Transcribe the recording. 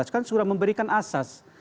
kan sudah memberikan asas